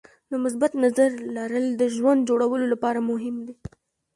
د مثبت نظر لرل د ژوند جوړولو لپاره مهم دي.